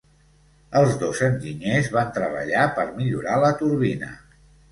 Els dos enginyers van treballar per millorar la turbina.